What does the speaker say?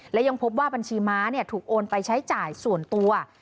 และยังพบว่าบัญชีม้าถูกโอนไปใช้จ่ายส่วนตัว